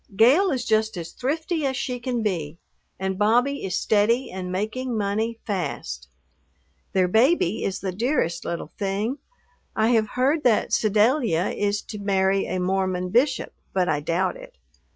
Gale is just as thrifty as she can be and Bobby is steady and making money fast. Their baby is the dearest little thing. I have heard that Sedalia is to marry a Mormon bishop, but I doubt it.